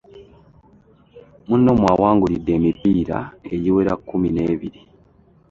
Muno mw'awangulidde emipiira egiwera kkumi n'ebiri.